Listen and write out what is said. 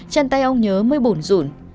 chân tay ông nhớ mới bủn rủn